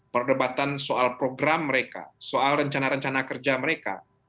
perdebatan soal program mereka soal rencana rencana kerja mereka